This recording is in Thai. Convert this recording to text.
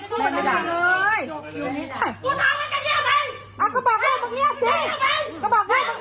กูทำให้เจ้าเนี่ยไป